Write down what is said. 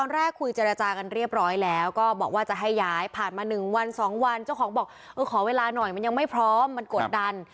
แรกคุยเจรจากันเรียบร้อยแล้วก็บอกว่าจะให้ย้ายผ่านมา๑วัน๒วันเจ้าของบอกเออขอเวลาหน่อยมันยังไม่พร้อมมันกดดัน